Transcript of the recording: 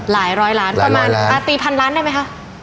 ร้อยล้านประมาณตีพันล้านได้ไหมคะ